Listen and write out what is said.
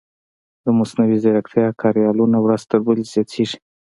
د مصنوعي ځیرکتیا کاریالونه ورځ تر بلې زیاتېږي.